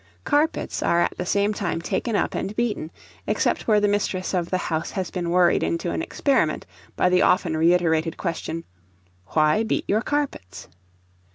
Carpets are at the same time taken up and beaten, except where the mistress of the house has been worried into an experiment by the often reiterated question, "Why beat your carpets?"